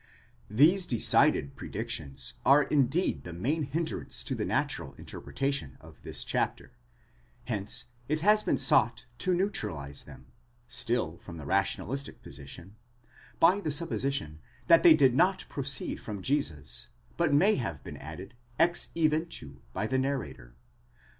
9 These decided predictions are indeed the main hindrance to the natural interpretation of this chapter; hence it has been sought to neutralize them, still from the rationalistic position, by the supposition that they did not pro ceed from Jesus, but may have been added ex eventu by the narrator.